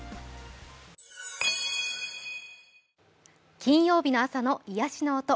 金曜日の朝の癒しの音。